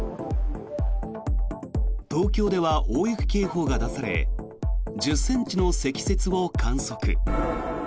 東京では大雪警報が出され１０ｃｍの積雪を観測。